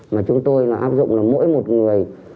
mà chúng tôi áp dụng là mỗi một người